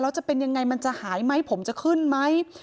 แล้วจะเป็นยังไงมันจะหายไหมผมจะขึ้นไหม